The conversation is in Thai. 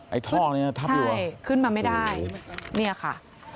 ท่อนี้ทับอยู่ใช่ขึ้นมาไม่ได้เนี่ยค่ะ